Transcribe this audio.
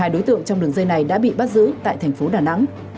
một mươi hai đối tượng trong đường dây này đã bị bắt giữ tại thành phố đà nẵng